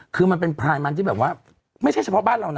คือมันเป็นพรายมันที่แบบว่าไม่ใช่เฉพาะบ้านเรานะ